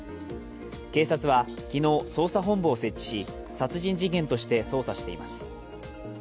警察は、昨日、捜査本部を設置し殺人事件として捜査しています。